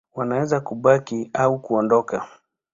Wanaweza kubaki au kuondoka.